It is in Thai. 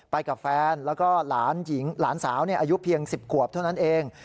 ไปกับแฟนแล้วก็หลานหญิงหลานสาวอายุเพียง๑๐ขวบเท่านั้นเอง